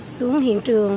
xuống hiện trường